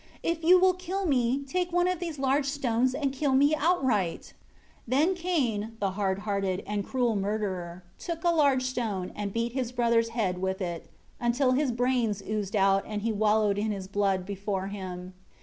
If you will kill me, take one of these large stones and kill me outright." 7 Then Cain, the hard hearted, and cruel murderer, took a large stone, and beat his brother's head with it, until his brains oozed out, and he wallowed in his blood, before him.